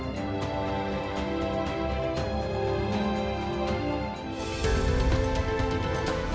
terima kasih terima kasih